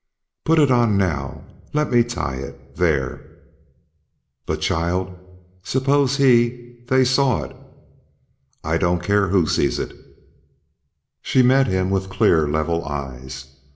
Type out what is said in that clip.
"Put it on now let me tie it there!" "But, child. Suppose he they saw it?" "I don't care who sees it." She met him with clear, level eyes.